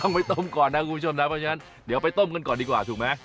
ไปต้มก่อนนะคุณผู้ชมนะเพราะฉะนั้นเดี๋ยวไปต้มกันก่อนดีกว่าถูกไหม